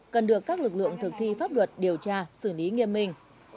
cần được các lực lượng thực thi pháp luật điều tra xử lý nghiêm minh